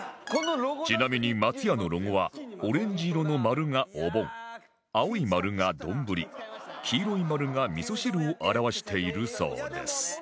ちなみに松屋のロゴはオレンジ色の丸がお盆青い丸が丼黄色い丸がみそ汁を表しているそうです